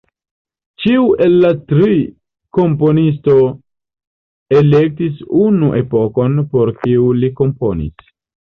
Ĉiu el la tri komponisto elektis unu epokon, por kiu li komponis.